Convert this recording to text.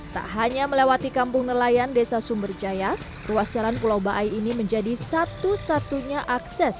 tak hanya melewati kampung nelayan desa sumberjaya ruas jalan pulau baai ini menjadi satu satunya akses